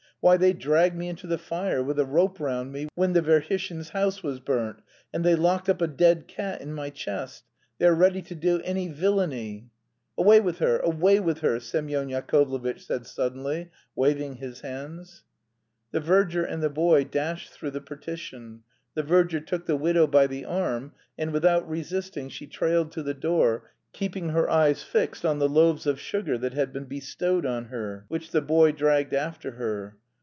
"Why, they dragged me into the fire with a rope round me when the Verhishins' house was burnt, and they locked up a dead cat in my chest. They are ready to do any villainy...." "Away with her! Away with her!" Semyon Yakovlevitch said suddenly, waving his hands. The verger and the boy dashed through the partition. The verger took the widow by the arm, and without resisting she trailed to the door, keeping her eyes fixed on the loaves of sugar that had been bestowed on her, which the boy dragged after her.